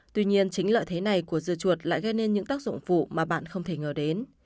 tuy nhiên chính lợi thế này của dưa chuột lại gây nên những tác dụng phụ mà bạn không thể ngờ đến